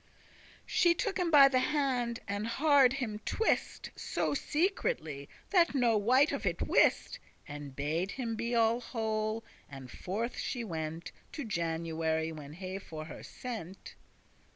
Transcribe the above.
* *pleased She took him by the hand, and hard him twist So secretly, that no wight of it wist, And bade him be all whole; and forth she went To January, when he for her sent.